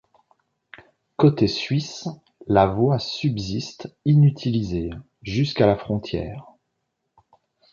Côté suisse, la voie subsiste, inutilisée, jusqu'à la frontière.